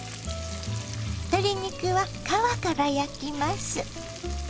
鶏肉は皮から焼きます。